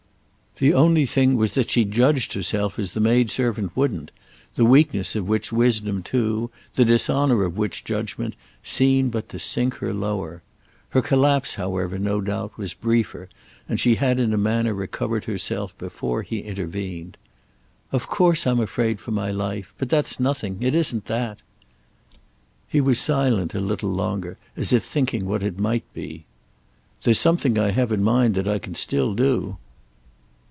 The only thing was that she judged herself as the maidservant wouldn't; the weakness of which wisdom too, the dishonour of which judgement, seemed but to sink her lower. Her collapse, however, no doubt, was briefer and she had in a manner recovered herself before he intervened. "Of course I'm afraid for my life. But that's nothing. It isn't that." He was silent a little longer, as if thinking what it might be. "There's something I have in mind that I can still do."